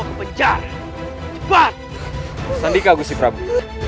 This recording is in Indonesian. jangan lagi membuat onar di sini